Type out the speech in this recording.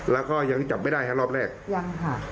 แล้วก็ยังจับไม่ได้ฮะรอบแรกยังค่ะ